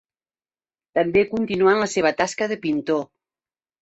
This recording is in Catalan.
També continuà en la seva tasca de pintor.